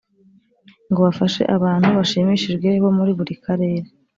Ngo bafashe abantu bashimishijwe bo muri buri karere